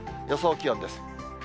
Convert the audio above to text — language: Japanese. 予想気温です。